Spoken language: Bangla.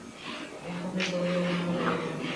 ওখানে পারলে এখানেও পারব।